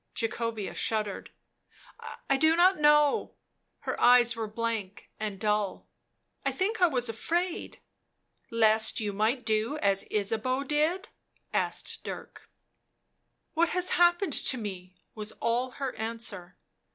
Jacobea shuddered. "I do not know;" her eyes were blank and dull. " I think I was afraid "" Lest you might do as Ysabeau did?" asked Dirk. "What has happened to me?" was all her answer.